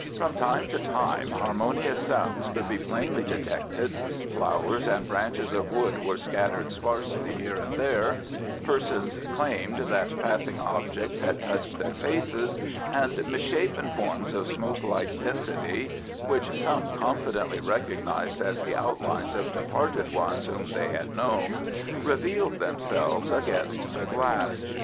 From time to time harmonious sounds could be plainly detected, flowers and branches of wood were scattered sparsely here and there, persons claimed that passing objects had touched their faces, and misshapen forms of smoke like density (which some confidently recognised as the outlines of departed ones whom they had known), revealed themselves against the glass.